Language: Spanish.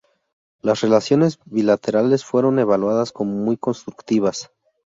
Las relaciones bilaterales fueron evaluadas como muy constructivas.